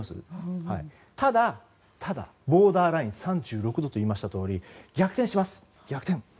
ただ、ボーダーライン３６度と言いましたとおり逆転します。